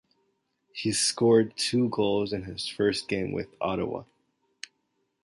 He scored two goals in his first game with Ottawa.